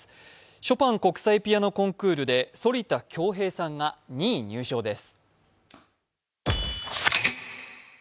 ショパン国際ピアノコンクールで反田恭平さんが２位入賞です。